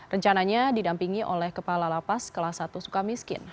rencananya didampingi oleh kepala lapas kelas satu suka miskin